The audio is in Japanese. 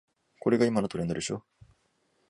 これが今のトレンドでしょ